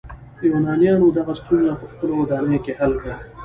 یونانیانو دغه ستونزه په خپلو ودانیو کې حل کړه.